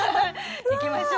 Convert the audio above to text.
行きましょう。